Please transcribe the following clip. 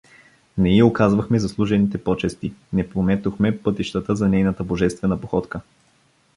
Не й оказахме заслужените почести, не пометохме пътищата за нейната божествена походка.